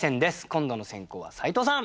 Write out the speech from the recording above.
今度の先攻は斉藤さん。